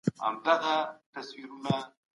که موضوع انتخاب کړئ مخینه ئې وګورئ.